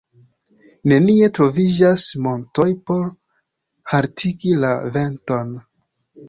Nenie troviĝas montoj por haltigi la venton.